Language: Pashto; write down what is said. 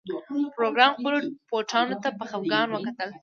پروګرامر خپلو بوټانو ته په خفګان وکتل